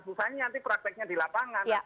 misalnya nanti prakteknya di lapangan